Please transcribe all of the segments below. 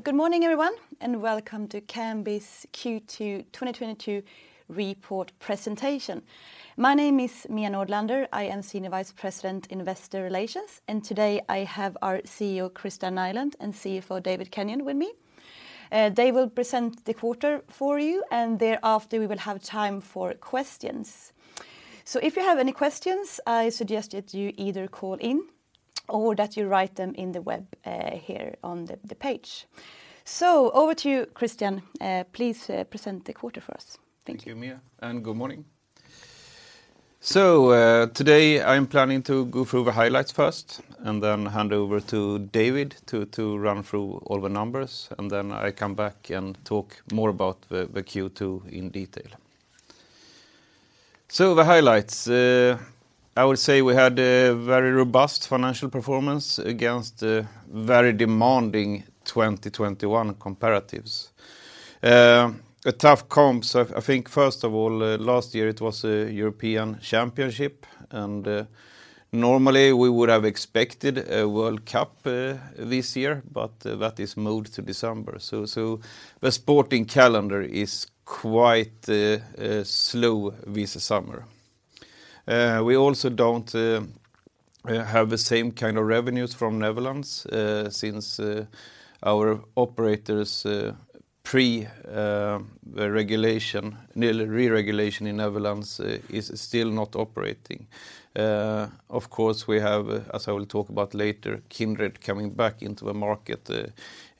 Good morning, everyone, and Welcome to Kambi's Q2 2022 Report Presentation. My name is Mia Nordlander. I am Senior Vice President, Investor Relations. Today, I have our Chief Executive Officer, Kristian Nylén, and Chief Financial Officer, David Kenyon, with me. They will present the quarter for you, and thereafter, we will have time for questions. If you have any questions, I suggest that you either call in or that you write them in the web here on the page. Over to you, Kristian. Please present the quarter for us. Thank you. Thank you, Mia, and good morning. Today, I'm planning to go through the highlights first, and then hand over to David to run through all the numbers, and then I come back and talk more about the Q2 in detail. The highlights, I would say we had a very robust financial performance against a very demanding 2021 comparatives. The tough comps, I think first of all last year it was a European Championship, and normally we would have expected a World Cup this year, but that is moved to December. The sporting calendar is quite slow this summer. We also don't have the same kind of revenues from Netherlands, since our operators re-regulation in Netherlands is still not operating. Of course, we have, as I will talk about later, Kindred coming back into the market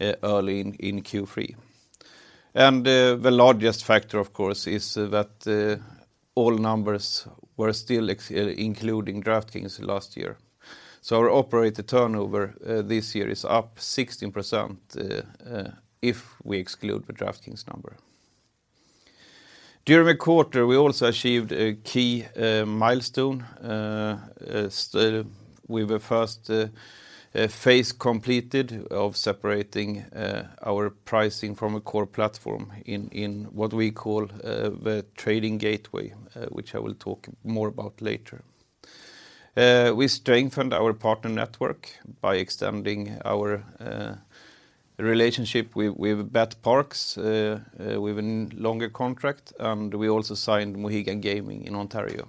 early in Q3. The largest factor of course, is that all numbers were still excluding DraftKings last year. Our operator turnover this year is up 16% if we exclude the DraftKings number. During the quarter, we also achieved a key milestone with the first phase completed of separating our pricing from a core platform in what we call the Trading Gateway, which I will talk more about later. We strengthened our partner network by extending our relationship with betPARX with a longer contract, and we also signed Mohegan Gaming in Ontario.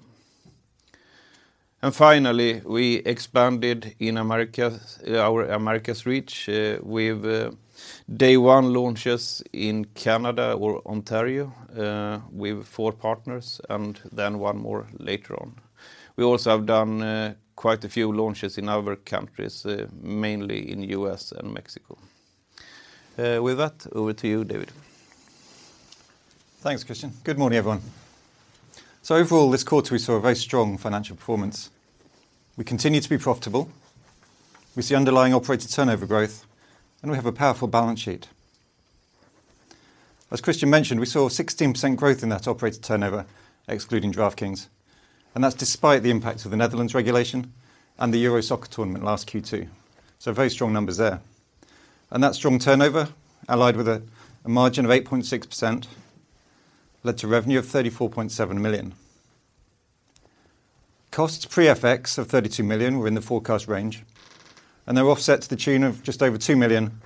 Finally, we expanded our reach in the Americas with day one launches in Ontario, Canada, with four partners and then one more later on. We also have done quite a few launches in other countries, mainly in the U.S. and Mexico. With that, over to you, David. Thanks, Khristian. Good morning, everyone. Overall, this quarter, we saw a very strong financial performance. We continue to be profitable. We see underlying operator turnover growth, and we have a powerful balance sheet. As Khristian mentioned, we saw a 16% growth in that operator turnover, excluding DraftKings, and that's despite the impact of the Netherlands regulation and the Euro Soccer tournament last Q2. Very strong numbers there. That strong turnover, allied with a margin of 8.6%, led to revenue of 34.7 million. Costs pre-FX of 32 million were in the forecast range, and they were offset to the tune of just over 2 million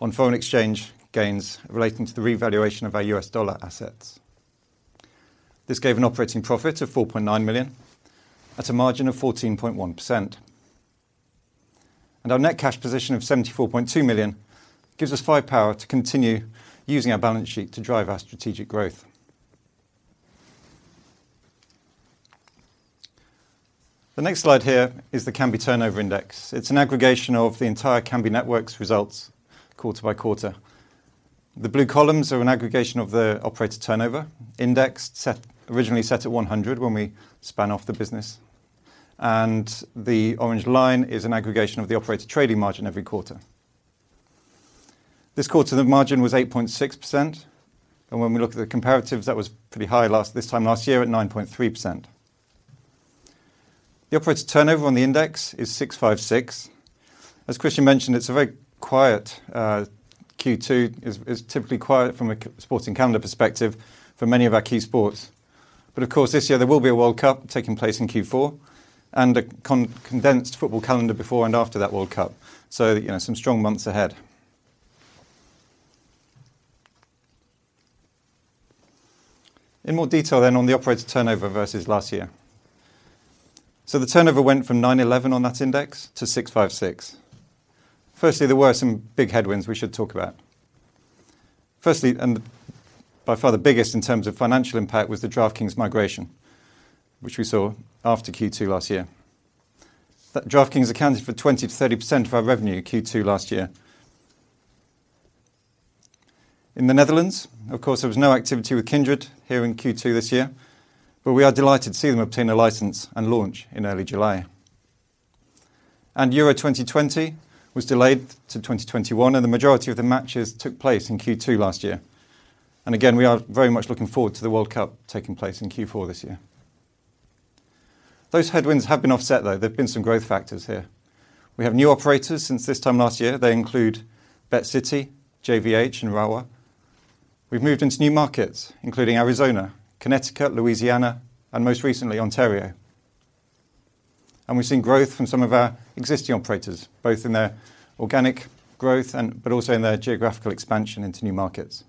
on foreign exchange gains relating to the revaluation of our US dollar assets. This gave an operating profit of 4.9 million at a margin of 14.1%. Our net cash position of 74.2 million gives us firepower to continue using our balance sheet to drive our strategic growth. The next slide here is the Kambi turnover index. It's an aggregation of the entire Kambi network's results quarter by quarter. The blue columns are an aggregation of the operator turnover indexed set, originally set at 100 when we spun off the business. The orange line is an aggregation of the operator trading margin every quarter. This quarter, the margin was 8.6%. When we look at the comparatives, that was pretty high this time last year at 9.3%. The operator turnover on the index is 656. As Kristian mentioned, it's a very quiet Q2. It's typically quiet from a sporting calendar perspective for many of our key sports. Of course, this year, there will be a World Cup taking place in Q4 and a condensed football calendar before and after that World Cup. You know, some strong months ahead. In more detail then on the operator turnover versus last year. The turnover went from 911 on that index to 656. Firstly there were some big headwinds we should talk about. Firstly, and by far the biggest in terms of financial impact, was the DraftKings migration, which we saw after Q2 last year. That DraftKings accounted for 20%-30% of our revenue Q2 last year. In the Netherlands, of course, there was no activity with Kindred here in Q2 this year, but we are delighted to see them obtain a license and launch in early July. Euro 2020 was delayed to 2021, and the majority of the matches took place in Q2 last year. Again, we are very much looking forward to the World Cup taking place in Q4 this year. Those headwinds have been offset, though. There have been some growth factors here. We have new operators since this time last year. They include BetCity, JVH, and Rush Street Interactive. We've moved into new markets, including Arizona, Connecticut, Louisiana, and most recently, Ontario. We've seen growth from some of our existing operators, both in their organic growth but also in their geographical expansion into new markets.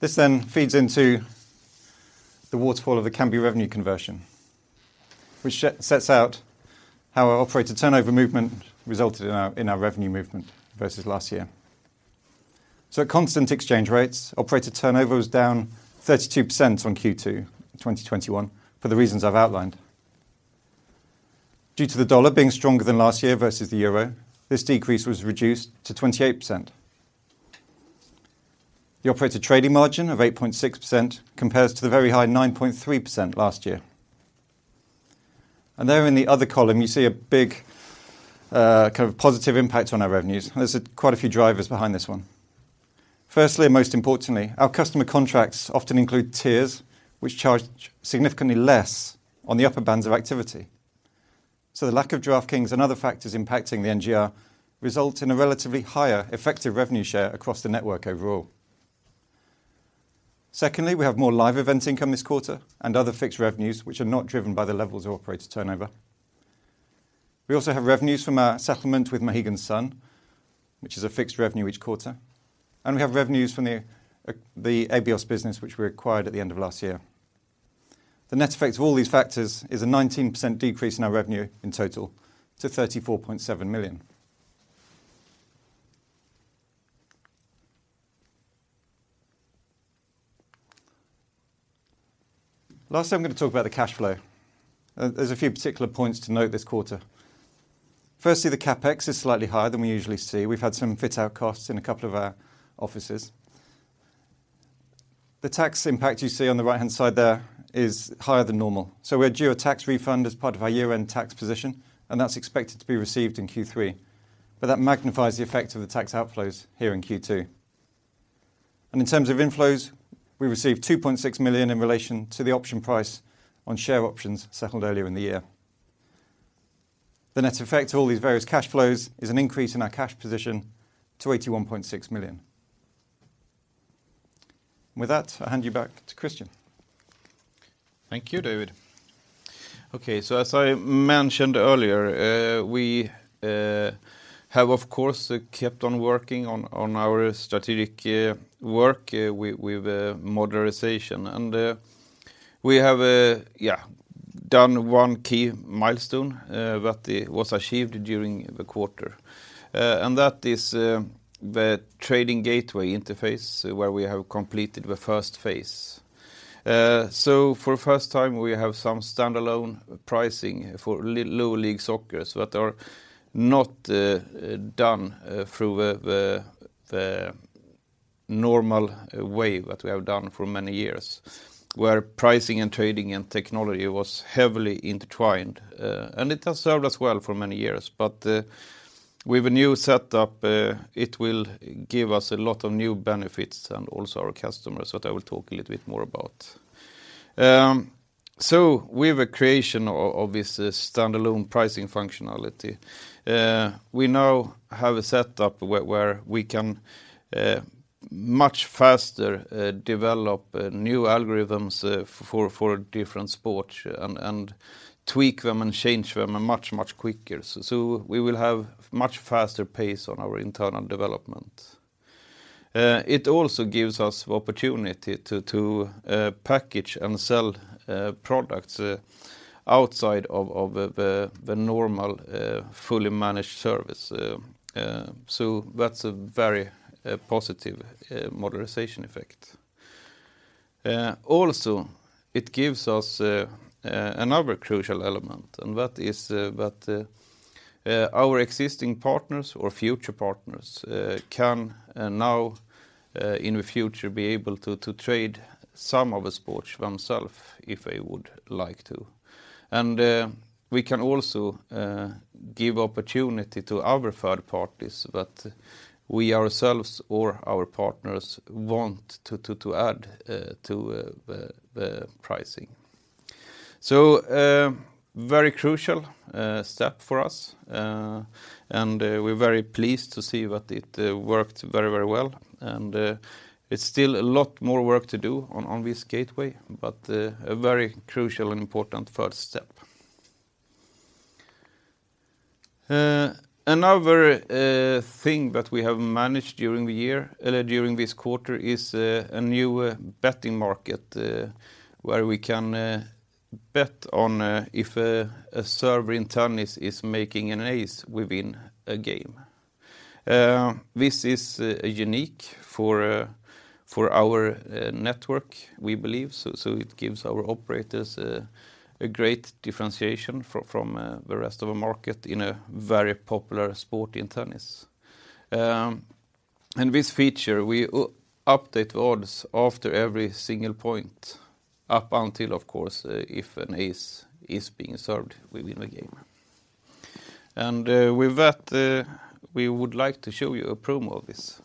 This then feeds into the waterfall of the Kambi revenue conversion, which sets out how our operator turnover movement resulted in our revenue movement versus last year. At constant exchange rates, operator turnover was down 32% on Q2 2021 for the reasons I've outlined. Due to the dollar being stronger than last year versus the euro, this decrease was reduced to 28%. The operator trading margin of 8.6% compares to the very high 9.3% last year. There in the other column, you see a big, kind of positive impact on our revenues. There's quite a few drivers behind this one. Firstly, and most importantly, our customer contracts often include tiers which charge significantly less on the upper bands of activity. The lack of DraftKings and other factors impacting the NGR result in a relatively higher effective revenue share across the network overall. Secondly, we have more live events income this quarter and other fixed revenues which are not driven by the levels of operator turnover. We also have revenues from our settlement with Mohegan Sun, which is a fixed revenue each quarter, and we have revenues from the Abios business which we acquired at the end of last year. The net effect of all these factors is a 19% decrease in our revenue in total to 34.7 million. Lastly, I'm gonna talk about the cash flow. There's a few particular points to note this quarter. Firstly, the CapEx is slightly higher than we usually see. We've had some fit-out costs in a couple of our offices. The tax impact you see on the right-hand side there is higher than normal. We're due a tax refund as part of our year-end tax position, and that's expected to be received in Q3. That magnifies the effect of the tax outflows here in Q2. In terms of inflows, we received 2.6 million in relation to the option price on share options settled earlier in the year. The net effect of all these various cash flows is an increase in our cash position to 81.6 million. With that, I hand you back to Kristian. Thank you, David. Okay, as I mentioned earlier we have, of course kept on working on our strategic work with modernization. We have done one key milestone that was achieved during the quarter, and that is the Trading Gateway interface where we have completed the first phase. For the first time, we have some standalone pricing for lower league soccer that are not done through the normal way that we have done for many years, where pricing and trading and technology was heavily intertwined. It has served us well for many years. With a new setup, it will give us a lot of new benefits and also our customers, that I will talk a little bit more about. With the creation of this standalone pricing functionality, we now have a setup where we can much faster develop new algorithms for different sports and tweak them and change them much quicker. We will have much faster pace on our internal development. It also gives us the opportunity to package and sell products outside of the normal fully managed service. That's a very positive modernization effect. Also it gives us another crucial element, and that is that our existing partners or future partners can now in the future be able to trade some of the sports themselves if they would like to. We can also give opportunity to other third parties that we ourselves or our partners want to add to the pricing. Very crucial step for us. We're very pleased to see that it worked very well. It's still a lot more work to do on this gateway, but a very crucial and important first step. Another thing that we have managed during the year during this quarter is a new betting market where we can bet on if a server in tennis is making an ace within a game. This is unique for our network, we believe. It gives our operators a great differentiation from the rest of the market in a very popular sport in tennis. This feature, we update the odds after every single point up until, of course, if an ace is being served within the game. With that, we would like to show you a promo of this.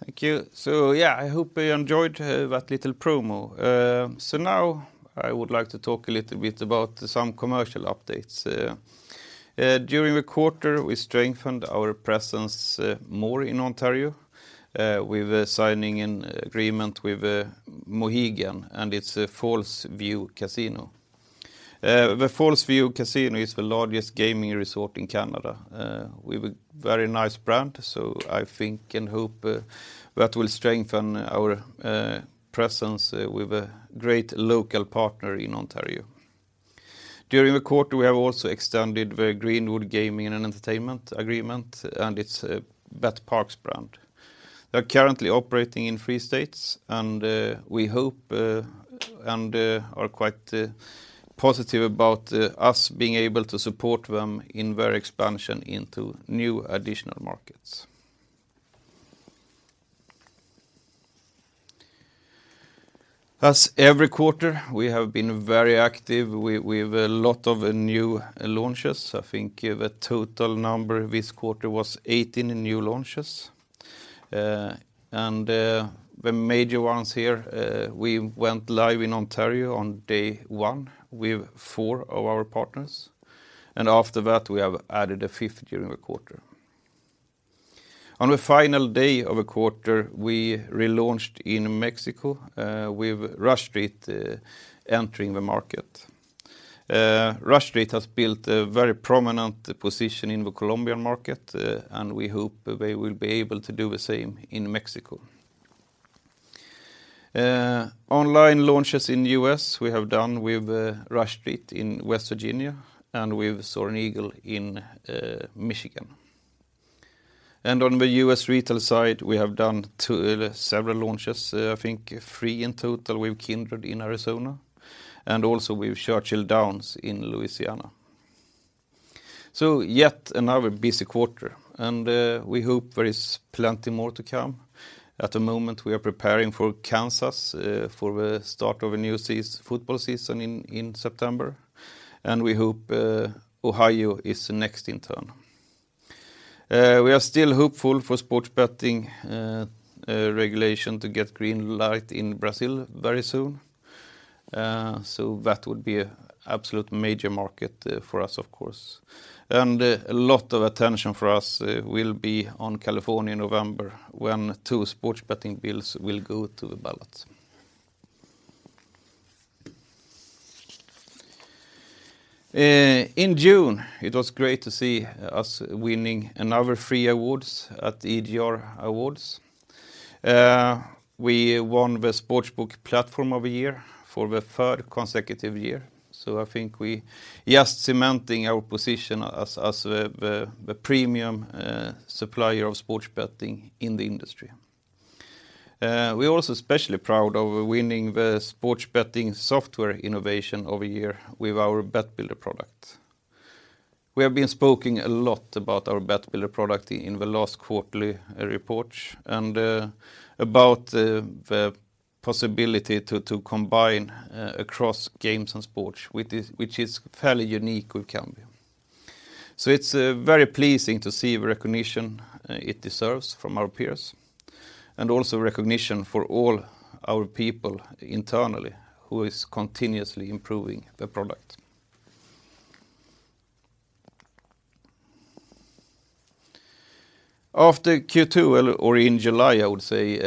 Thank you. Yeah, I hope you enjoyed that little promo. Now I would like to talk a little bit about some commercial updates. During the quarter, we strengthened our presence more in Ontario with the signing an agreement with Mohegan and its Fallsview Casino Resort. The Fallsview Casino Resort is the largest gaming resort in Canada with a very nice brand. I think and hope that will strengthen our presence with a great local partner in Ontario. During the quarter, we have also extended the Greenwood Gaming and Entertainment agreement and its betPARX brand. They're currently operating in three states, and we hope and are quite positive about us being able to support them in their expansion into new additional markets. As every quarter, we have been very active with a lot of new launches. I think the total number this quarter was 18 new launches. The major ones here we went live in Ontario on day one with four of our partners, and after that, we have added a fifth during the quarter. On the final day of the quarter, we relaunched in Mexico with Rush Street entering the market. Rush Street Interactive has built a very prominent position in the Colombian market, and we hope they will be able to do the same in Mexico. Online launches in U.S., we have done with Rush Street Interactive in West Virginia and with Soaring Eagle Casino & Resort in Michigan. On the U.S. retail side, we have done several launches, I think three in total with Kindred Group in Arizona and also with Churchill Downs in Louisiana. Yet another busy quarter, and we hope there is plenty more to come. At the moment, we are preparing for Kansas for the start of a new football season in September, and we hope Ohio is next in turn. We are still hopeful for sports betting regulation to get green light in Brazil very soon. That would be an absolute major market for us, of course. A lot of attention for us will be on California in November when two sports betting bills will go to the ballot. In June, it was great to see us winning another three awards at the EGR Awards. We won the Sportsbook Platform of the Year for the third consecutive year, so I think we just cementing our position as the premium supplier of sports betting in the industry. We're also especially proud of winning the Sports Betting Software Innovation of the Year with our BetBuilder product. We have been speaking a lot about our BetBuilder product in the last quarterly reports and about the possibility to combine across games and sports, which is fairly unique with Kambi. It's very pleasing to see the recognition it deserves from our peers and also recognition for all our people internally who is continuously improving the product. After Q2, or in July, I would say,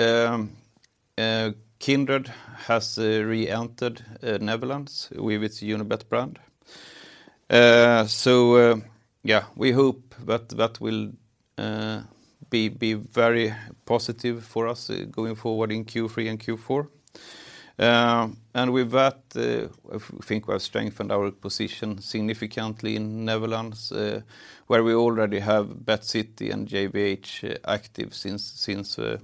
Kindred has reentered Netherlands with its Unibet brand. We hope that that will be very positive for us going forward in Q3 and Q4. With that, I think we have strengthened our position significantly in Netherlands, where we already have BetCity and JVH active since the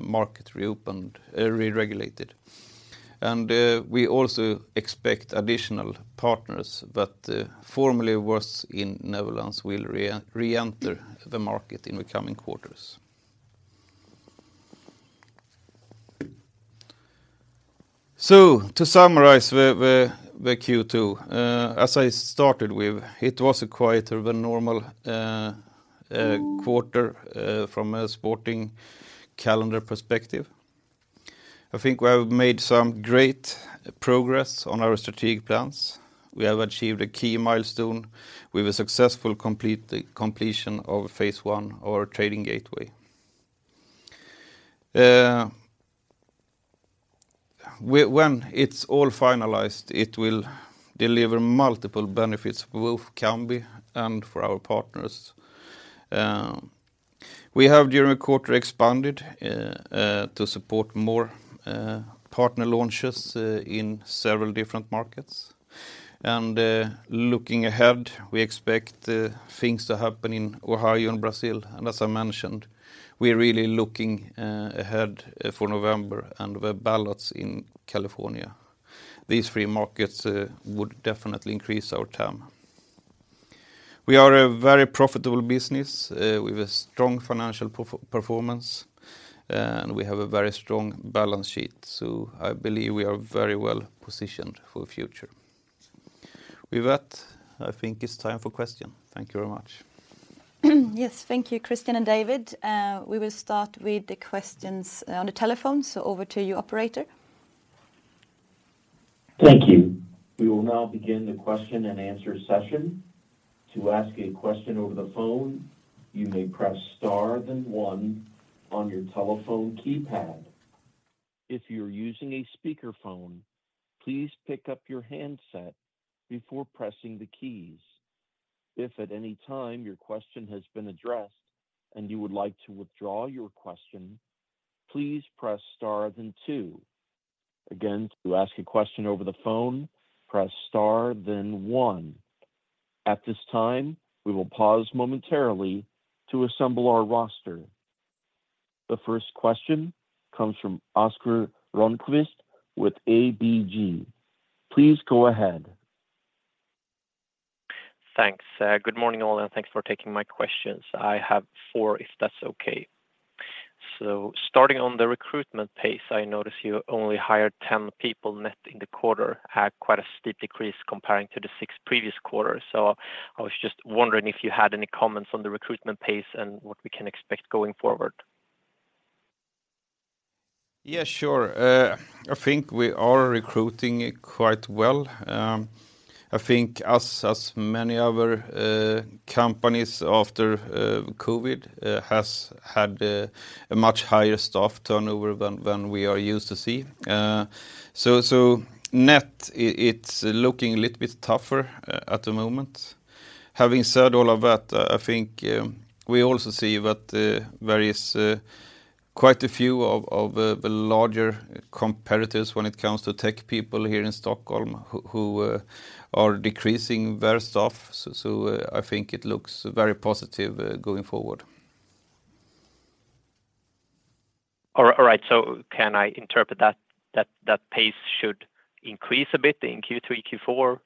market re-regulated. We also expect additional partners that formerly was in Netherlands will reenter the market in the coming quarters. To summarize the Q2, as I started with, it was a quieter than normal quarter from a sporting calendar perspective. I think we have made some great progress on our strategic plans. We have achieved a key milestone with a successful completion of phase one of our Trading Gateway. When it's all finalized, it will deliver multiple benefits for both Kambi and for our partners. We have during the quarter expanded to support more partner launches in several different markets. Looking ahead, we expect things to happen in Ohio and Brazil. As I mentioned, we're really looking ahead for November and the ballots in California. These three markets would definitely increase our TAM. We are a very profitable business, with a strong financial performance, and we have a very strong balance sheet, so I believe we are very well-positioned for the future. With that, I think it's time for questions. Thank you very much. Yes. Thank you, Kristian and David. We will start with the questions on the telephone. Over to you, operator. Thank you. We will now begin the question and answer session. To ask a question over the phone, you may press star then one on your telephone keypad. If you're using a speakerphone, please pick up your handset before pressing the keys. If at any time your question has been addressed and you would like to withdraw your question, please press star then two. Again, to ask a question over the phone, press star then one. At this time, we will pause momentarily to assemble our roster. The first question comes from Oscar Rönnkvist with ABG. Please go ahead. Thanks. Good morning all, and thanks for taking my questions. I have four, if that's okay. Starting on the recruitment pace, I notice you only hired 10 people net in the quarter at quite a steep decrease comparing to the six previous quarters. I was just wondering if you had any comments on the recruitment pace and what we can expect going forward. Yeah, sure. I think we are recruiting quite well. I think we, as many other companies after COVID, has had a much higher staff turnover than we are used to see. Net, it's looking a little bit tougher at the moment. Having said all of that, I think we also see that there is quite a few of the larger competitors when it comes to tech people here in Stockholm who are decreasing their staff. I think it looks very positive going forward. All right. Can I interpret that pace should increase a bit in Q3, Q4?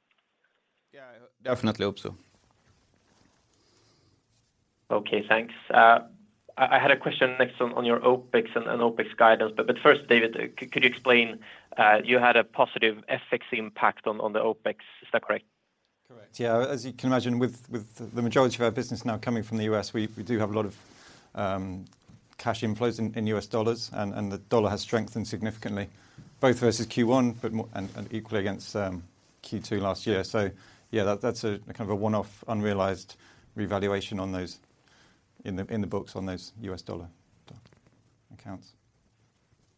Yeah, definitely hope so. Okay. Thanks. I had a question next on your OpEx and OpEx guidance. First, David, could you explain you had a positive FX impact on the OpEx, is that correct? Correct. Yeah. As you can imagine, with the majority of our business now coming from the U.S., we do have a lot of cash inflows in US dollars, and the dollar has strengthened significantly, both versus Q1, but more and equally against Q2 last year. Yeah, that's a kind of a one-off unrealized revaluation on those in the books on those US dollar accounts.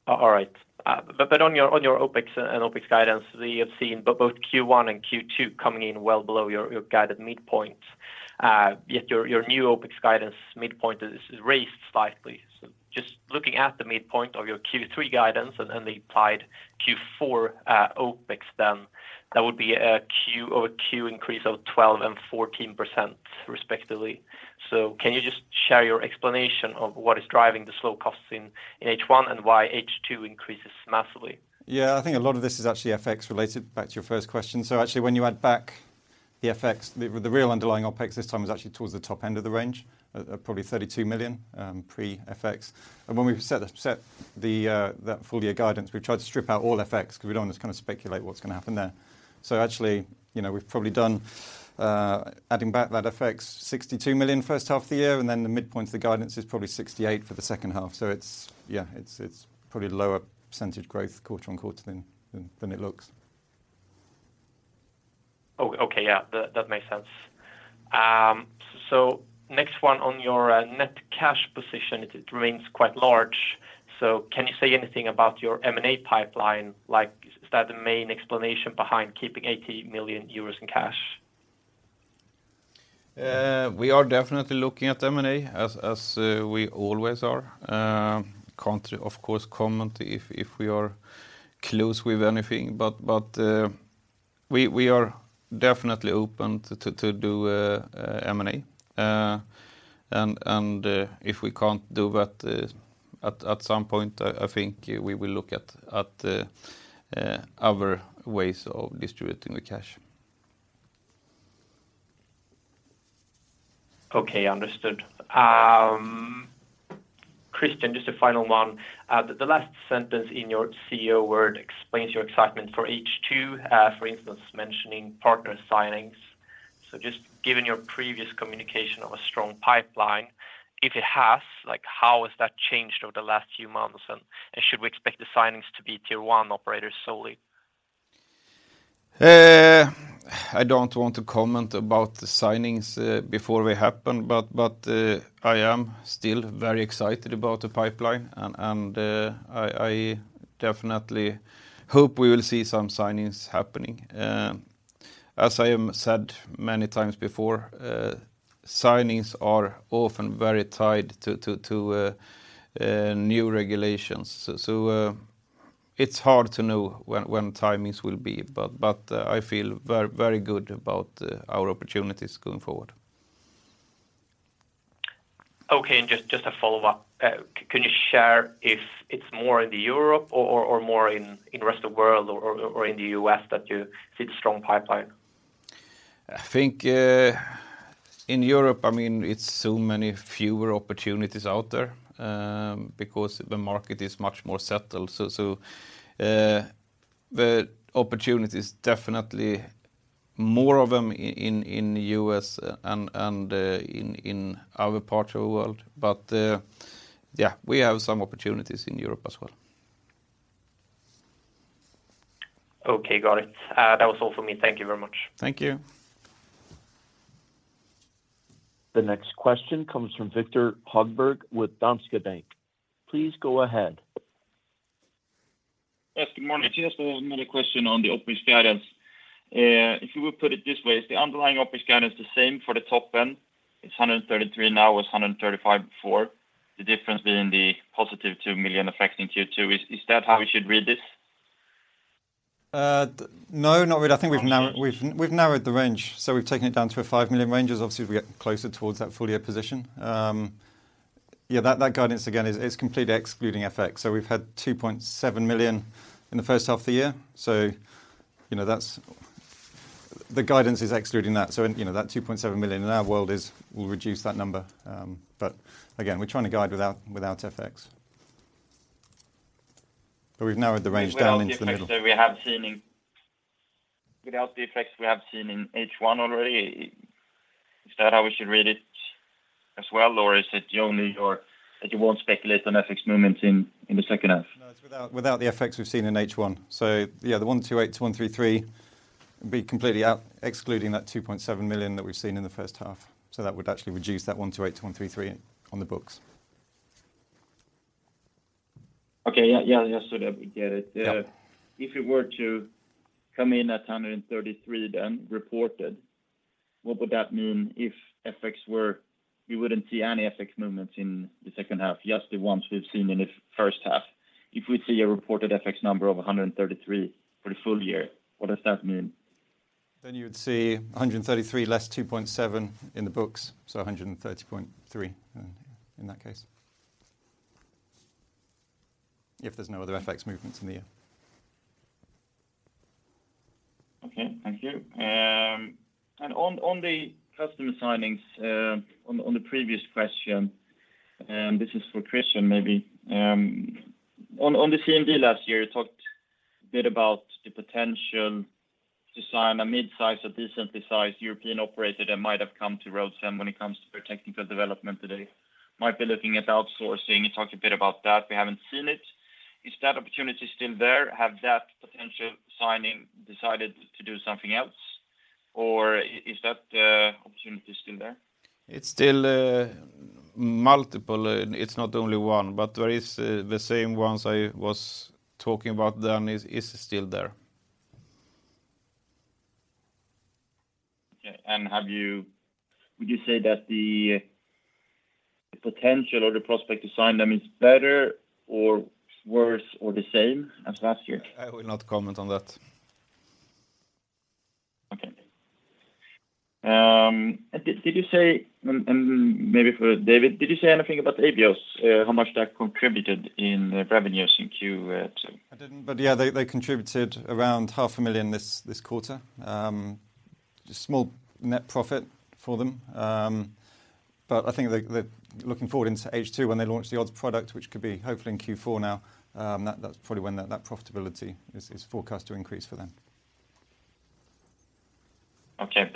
All right. On your OpEx guidance, we have seen both Q1 and Q2 coming in well below your guided midpoint. Yet your new OpEx guidance midpoint is raised slightly. Just looking at the midpoint of your Q3 guidance and then the implied Q4 OpEx, that would be a quarter-over-quarter increase of 12% and 14% respectively. Can you just share your explanation of what is driving the low costs in H1 and why H2 increases massively? Yeah. I think a lot of this is actually FX related, back to your first question. Actually when you add back the FX, the real underlying OpEx this time is actually towards the top end of the range, probably 32 million, pre-FX. When we set that full year guidance, we tried to strip out all FX because we don't want to kind of speculate what's going to happen there. Actually, you know, we've probably done adding back that FX 62 million first half of the year, and then the midpoint of the guidance is probably 68 million for the second half. It's probably lower percentage growth quarter-over-quarter than it looks. Okay. Yeah. That makes sense. Next one on your net cash position, it remains quite large. Can you say anything about your M&A pipeline? Like, is that the main explanation behind keeping 80 million euros in cash? We are definitely looking at M&A as we always are. Can't, of course, comment if we are close with anything, but we are definitely open to do M&A. If we can't do that, at some point, I think we will look at other ways of distributing the cash. Okay. Understood. Kristian, just a final one. The last sentence in your Chief Executive Officer word explains your excitement for H2, for instance, mentioning partner signings. Just given your previous communication of a strong pipeline, if it has, like, how has that changed over the last few months? And should we expect the signings to be tier one operators solely? I don't want to comment about the signings before they happen, but I am still very excited about the pipeline and I definitely hope we will see some signings happening. As I said many times before, signings are often very tied to new regulations. It's hard to know when timings will be, but I feel very good about our opportunities going forward. Okay. Just a follow-up. Can you share if it's more in Europe or more in rest of world or in the U.S. that you see the strong pipeline? I think in Europe, I mean it's so many fewer opportunities out there, because the market is much more settled. The opportunities definitely more of them in U.S., and in other parts of the world. Yeah, we have some opportunities in Europe as well. Okay. Got it. That was all for me. Thank you very much. Thank you. The next question comes from Viktor Högberg with Danske Bank. Please go ahead. Yes, good morning. Just another question on the OpEx guidance. If you would put it this way, is the underlying OpEx guidance the same for the top end? It's 133 million now, it was 135 million before. The difference being the positive 2 million affecting Q2. Is that how we should read this? No, not really. I think we've narrowed. Okay. We've narrowed the range, so we've taken it down to a 5 million range. Obviously, as we get closer toward that full year position. Yeah, that guidance again is completely excluding FX. We've had 2.7 million in the first half of the year. You know, that's. The guidance is excluding that. You know, that 2.7 million in our world will reduce that number. Again, we're trying to guide without FX. We've narrowed the range down into the middle. Without the effects we have seen in H1 already. Is that how we should read it as well, or is it only that you won't speculate on FX movements in the second half? No, it's without the effects we've seen in H1. Yeah, the 128-133 would be completely out excluding that 2.7 million that we've seen in the first half. That would actually reduce that 128-133 on the books. Okay. Yeah, yeah. Just so that we get it. Yeah. If it were to come in at 133 then reported, what would that mean if FX were you wouldn't see any FX movements in the second half, just the ones we've seen in the first half. If we see a reported FX number of 133 for the full year, what does that mean? You would see 133 less 2.7 in the books. 130.3 in that case. If there's no other FX movements in the year. Okay, thank you. On the customer signings, on the previous question, this is for Kristian maybe. On the CMD last year, you talked a bit about the potential to sign a mid-size, a decently sized European operator that might have come to when it comes to their technical development today, might be looking at outsourcing. You talked a bit about that. We haven't seen it. Is that opportunity still there? Has that potential signing decided to do something else, or is that opportunity still there? It's still multiple. It's not only one, but there is the same ones I was talking about then is still there. Okay. Would you say that the potential or the prospect to sign them is better or worse or the same as last year? I will not comment on that. Okay. Did you say, and maybe for David, did you say anything about Abios, how much that contributed in revenues in Q2? I didn't, but yeah, they contributed around EUR half a million this quarter. Small net profit for them. I think they're looking forward into H2 when they launch the odds product, which could be hopefully in Q4 now. That's probably when that profitability is forecast to increase for them. Okay.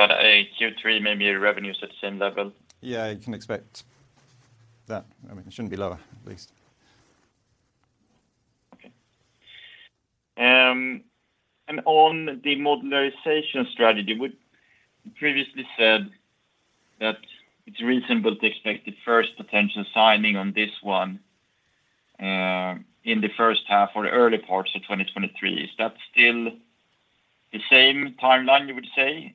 Q3, maybe revenues at the same level? Yeah, you can expect that. I mean, it shouldn't be lower, at least. Okay. On the modularization strategy, we previously said that it's reasonable to expect the first potential signing on this one in the first half or the early parts of 2023. Is that still the same timeline you would say,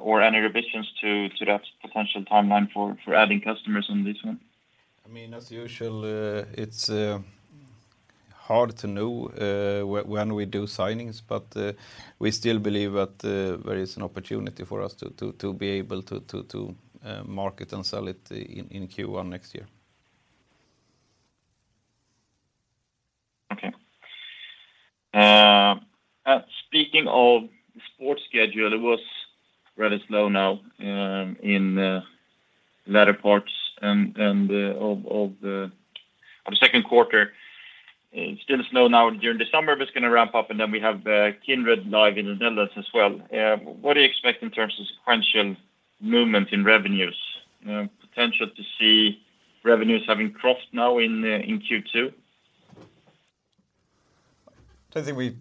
or any revisions to that potential timeline for adding customers on this one? I mean, as usual, it's hard to know when we do signings, but we still believe that there is an opportunity for us to be able to market and sell it in Q1 next year. Okay. Speaking of sports schedule, it was really slow now, in the latter parts of the second quarter. It's still slow now during the summer, but it's going to ramp up, and then we have Kindred Live in the Netherlands as well. What do you expect in terms of sequential movement in revenues, potential to see revenues having crossed now in Q2? I think we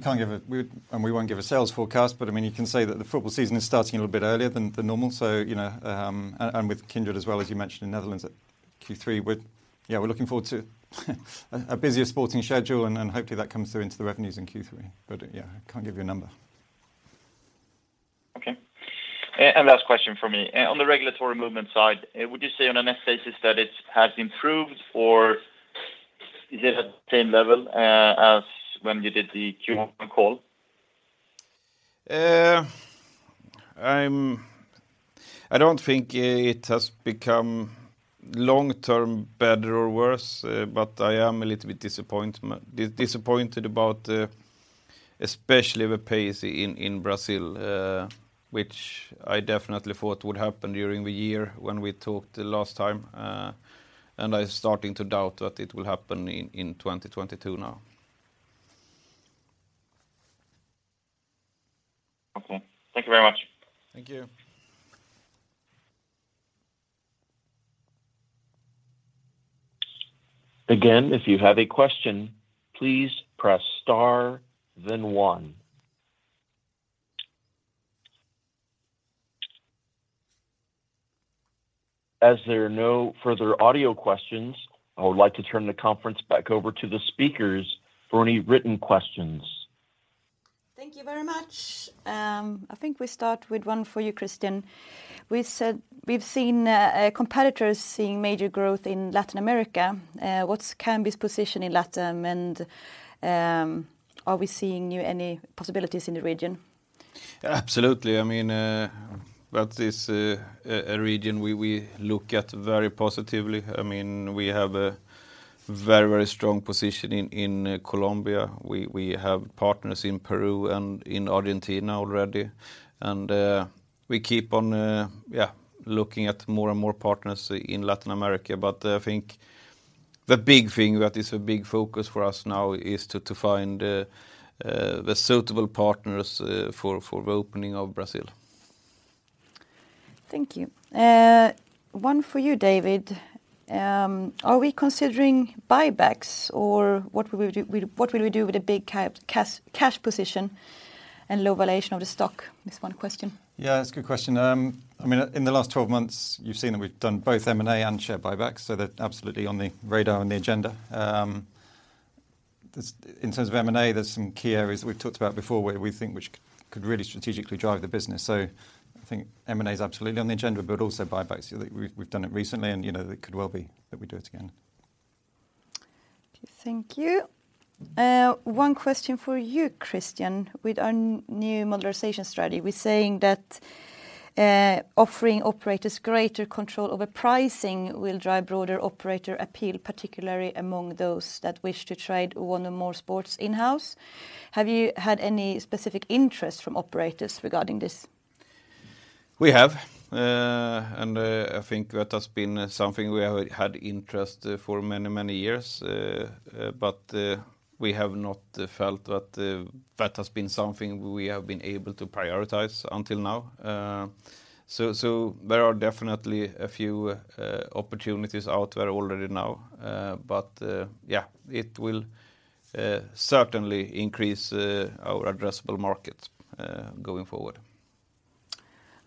can't give a sales forecast, but I mean you can say that the football season is starting a little bit earlier than normal. You know, with Kindred as well as you mentioned in Netherlands at Q3, yeah, we're looking forward to a busier sporting schedule and hopefully that comes through into the revenues in Q3. Yeah, can't give you a number. Okay. Last question from me. On the regulatory movement side, would you say on a net basis that it has improved or is it at same level, as when you did the Q1 call? I don't think it has become long-term better or worse, but I am a little bit disappointed about, especially the pace in Brazil, which I definitely thought would happen during the year when we talked last time. I'm starting to doubt that it will happen in 2022 now. Okay. Thank you very much. Thank you. Again, if you have a question, please press star then one. As there are no further audio questions, I would like to turn the conference back over to the speakers for any written questions. Thank you very much. I think we start with one for you, Kristian. We said we've seen competitors seeing major growth in Latin America. What's Kambi's position in LatAm, and are we seeing any possibilities in the region? Absolutely. I mean, that is a region we look at very positively. I mean, we have a very strong position in Colombia. We have partners in Peru and in Argentina already. We keep on looking at more and more partners in Latin America. I think the big thing that is a big focus for us now is to find the suitable partners for opening of Brazil. Thank you. One for you, David. Are we considering buybacks or what will we do with the big cash position and low valuation of the stock? This one question. Yeah. That's a good question. I mean, in the last 12 months you've seen that we've done both M&A and share buybacks, so they're absolutely on the radar on the agenda. In terms of M&A, there's some key areas that we've talked about before where we think which could really strategically drive the business. I think M&A is absolutely on the agenda, but also buybacks. We've done it recently and, you know, it could well be that we do it again. Okay. Thank you. One question for you, Kristian. With our new modernization strategy, we're saying that offering operators greater control over pricing will drive broader operator appeal, particularly among those that wish to trade one or more sports in-house. Have you had any specific interest from operators regarding this? I think that has been something we have had interest for many, many years. We have not felt that has been something we have been able to prioritize until now. There are definitely a few opportunities out there already now. It will certainly increase our addressable market going forward.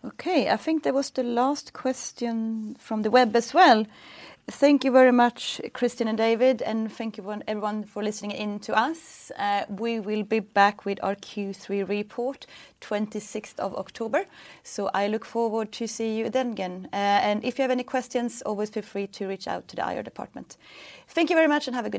Okay. I think that was the last question from the web as well. Thank you very much, Kristian and David, and thank you everyone for listening in to us. We will be back with our Q3 report 26th of October, so I look forward to see you then again. If you have any questions, always feel free to reach out to the IR department. Thank you very much and have a good day.